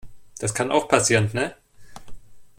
Das kann auch passieren, ne?